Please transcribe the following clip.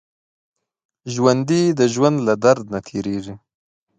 ژوندي د ژوند له درد نه تېرېږي